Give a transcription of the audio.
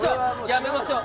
やめましょう。